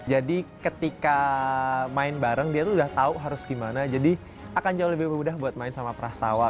jadi ketika main bareng dia tuh udah tau harus gimana jadi akan jauh lebih mudah buat main sama pras tawa